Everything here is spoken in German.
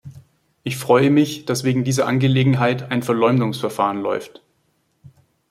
Ich freue mich, dass wegen dieser Angelegenheit ein Verleumdungsverfahren läuft.